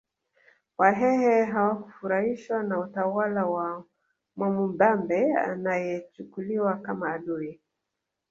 Wahehe hawakufurahishwa na utawala wa Mwamubambe anayechukuliwa kama adui